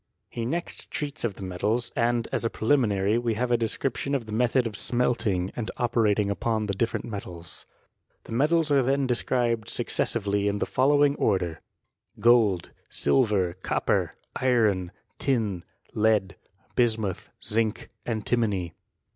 He next treats of the metals ; and, as a prelioiinary, 254 BI8T0KT OF CHEinSTftT. we have a description of the method of uneltiiigy and operating upon the different metals. The metSs are then described successively, in the following order x Gold, silver, copper, iron, tin, lead, bismuth, zinc^ ^timony.